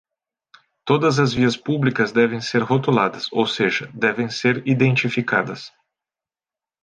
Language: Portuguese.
Todas as vias públicas devem ser rotuladas, ou seja, devem ser identificadas.